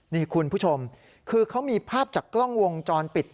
นี่คุณผู้ชมคือเขามีภาพจากกล้องวงจรปิด